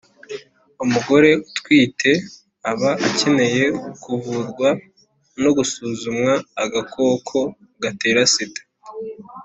umugore utwite aba akeneye kuvurwa no gusuzumwa agakoko gatera sida,